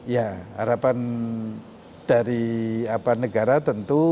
ya harapan dari negara tentu